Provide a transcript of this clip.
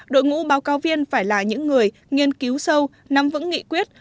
đội ngũ báo cáo viên phải là những người nghiên cứu sâu nắm vững nghị quyết